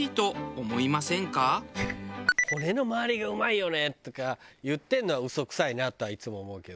「骨の周りがうまいよねー！」とか言ってるのは嘘くさいなとはいつも思うけど。